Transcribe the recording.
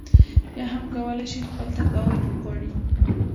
یا هم کولای شي خپل تقاعد وغواړي.